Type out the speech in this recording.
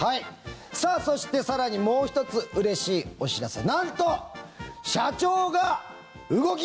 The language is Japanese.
そして、更にもう１つうれしいお知らせ。